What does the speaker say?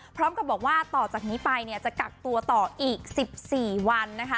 พร้อมกับบอกว่าต่อจากนี้ไปจะกักตัวต่ออีก๑๔วัน